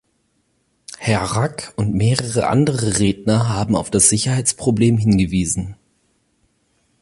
Herr Rack und mehrere andere Redner haben auf das Sicherheitsproblem hingewiesen.